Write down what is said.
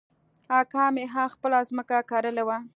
اکا مې هم خپله ځمکه کرلې وه.